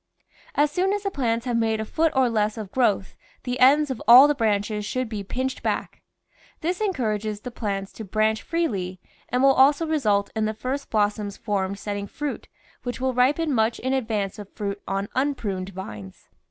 As soon as the plants have made a foot or less of growth the ends of all the branches should be pinched back. This encourages the plants to branch freely and will also result in the first blossoms formed setting fruit which will ripen much in ad vance of fruit on unpruned vines.